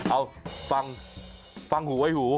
เอาฟังฟังหูไว้หู